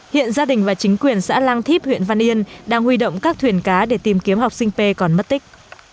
hiện gia đình và chính quyền xã lang thíp huyện văn yên đang huy động các thuyền cá để tìm kiếm học sinh p còn mất tích